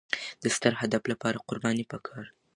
د ستر هدف لپاره قرباني پکار ده.